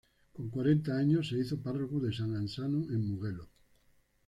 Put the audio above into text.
Con cuarenta años, se hizo párroco de Sant’Ansano en Mugello.